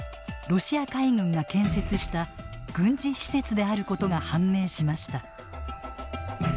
ロシア海軍が建設した軍事施設であることが判明しました。